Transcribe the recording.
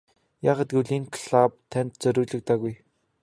Яагаад гэвэл энэ клуб танд зориулагдаагүй.